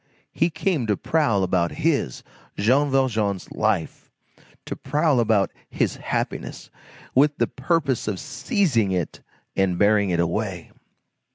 He came to prowl about his, Jean Valjean's, life! to prowl about his happiness, with the purpose of seizing it and bearing it away!